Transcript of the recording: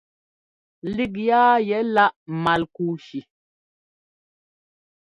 Lík yaa yɛ láʼ Malkúshi.